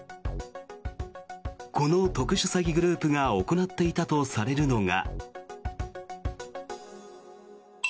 この特殊詐欺グループが行っていたとされるのが。